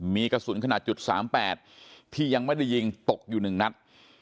มีกระสุนขนาด๓๘ที่ยังไม่ได้ยิงตกอยู่๑นัด